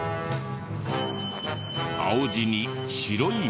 青地に白い文字。